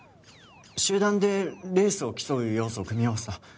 集団でレースを競う要素を組み合わせた